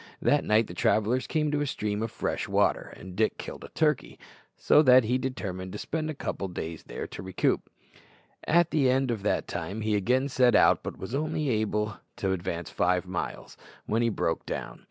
That night the travellers came to a stream of fresh water, and Dick killed a turkey, so that he determined to spend a couple of days there to recruit. At the end of that time he again set out, but was able only to advance five miles when he broke down.